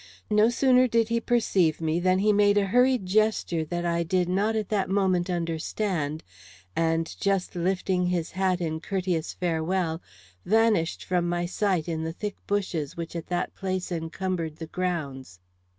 No sooner did he perceive me than he made a hurried gesture that I did not at that moment understand; and, just lifting his hat in courteous farewell, vanished from my sight in the thick bushes which at that place encumbered the grounds.